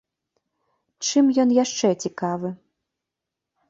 Чым ён яшчэ цікавы?